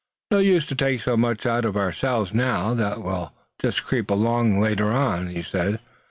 "No use to take so much out of ourselves now that we'll just creep along later on," he said.